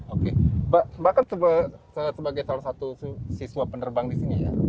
oke mbak kan sebagai salah satu siswa penerbang di sini ya